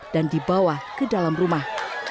dan dibawa ke dalam rumah